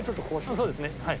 そうですねはい。